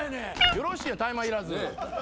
よろしいやん大麻いらず。